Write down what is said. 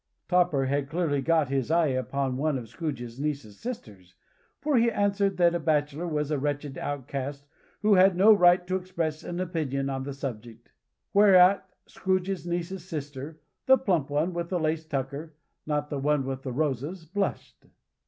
Topper had clearly got his eye upon one of Scrooge's niece's sisters, for he answered that a bachelor was a wretched outcast, who had no right to express an opinion on the subject. Whereat Scrooge's niece's sister the plump one with the lace tucker: not the one with the roses blushed.